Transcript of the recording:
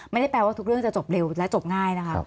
ไม่ได้แปลว่าทุกเรื่องจะจบเร็วและจบง่ายนะคะ